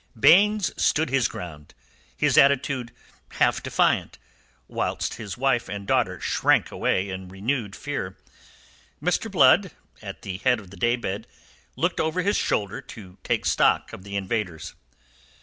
Baynes stood his ground, his attitude half defiant, whilst his wife and daughter shrank away in renewed fear. Mr. Blood, at the head of the day bed, looked over his shoulder to take stock of the invaders.